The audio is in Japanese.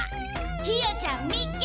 ひよちゃん見っけ！